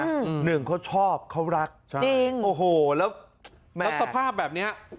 อืมหนึ่งเขาชอบเขารักจริงโอ้โหแล้วแล้วสภาพแบบเนี้ย